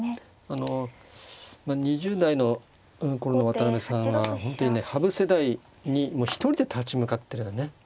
あの２０代の頃の渡辺さんは本当にね羽生世代に一人で立ち向かってたよね。